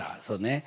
そうね。